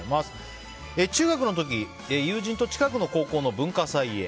中学の時友人と近くの高校の文化祭へ。